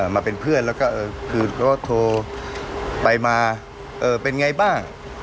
มาเป็นเพื่อนแล้วก็เอ่อคือเขาก็โทรไปมาเอ่อเป็นไงบ้าง